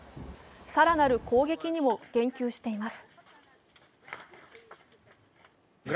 さらなる攻撃にも言及しています。